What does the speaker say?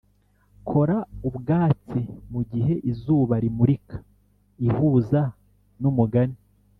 kora ubwatsi mugihe izuba rimurika ihuza numugani